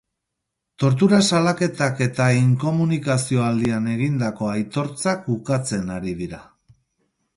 Tortura salaketak eta inkomunikazio aldian egindako aitortzak ukatzen ari dira.